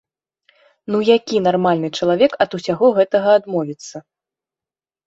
Ну які нармальны чалавек ад усяго гэтага адмовіцца?